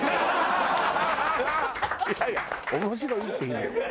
いやいや面白いって意味よ。